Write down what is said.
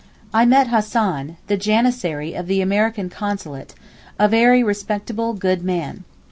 I met Hassan, the janissary of the American Consulate, a very respectable, good man.